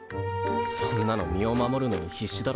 そんなの身を守るのに必死だろ。